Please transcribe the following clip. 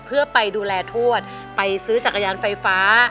เพื่อไปดูแลทวดไปซื้อจักรยานไฟฟ้า